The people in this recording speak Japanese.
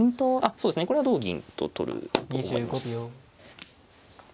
そうですねこれは同銀と取ると思います。